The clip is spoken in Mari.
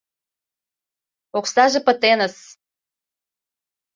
Оксаже пытеныс!